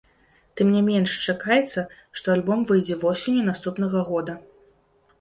Тым не менш чакаецца, што альбом выйдзе восенню наступнага года.